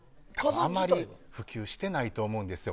あまり普及してないと思うんですよ。